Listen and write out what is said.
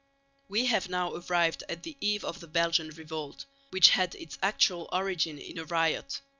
We have now arrived at the eve of the Belgian Revolt, which had its actual origin in a riot.